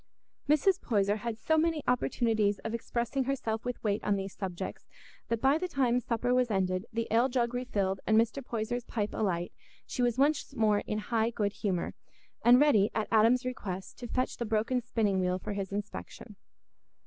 Mrs. Poyser had so many opportunities of expressing herself with weight on these subjects that by the time supper was ended, the ale jug refilled, and Mr. Poyser's pipe alight she was once more in high good humour, and ready, at Adam's request, to fetch the broken spinning wheel for his inspection.